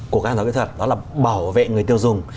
của các hàng rào kỹ thuật đó là bảo vệ người tiêu dùng